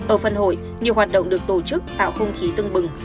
ở phần hội nhiều hoạt động được tổ chức tạo không khí tưng bừng